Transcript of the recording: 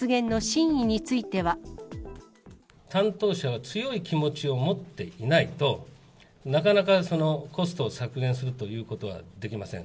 担当者は強い気持ちを持っていないと、なかなかコストを削減するということはできません。